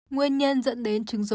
nguyên nhân dẫn đến trứng ruột